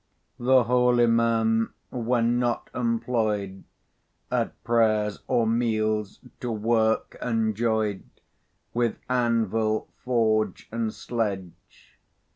The holy man, when not employed At prayers or meals, to work enjoyed With anvil, forge, and sledge.